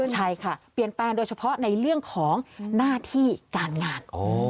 ใช่ค่ะเปลี่ยนแปลงโดยเฉพาะในเรื่องของหน้าที่การงาน